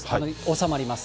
収まります。